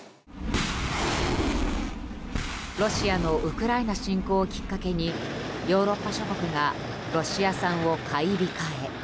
ロシアのウクライナ侵攻をきっかけにヨーロッパ諸国がロシア産を買い控え。